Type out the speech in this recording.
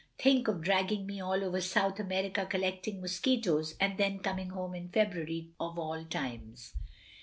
Think of dragging me all over South America collecting mosquitoes, and then coming home in February of all times.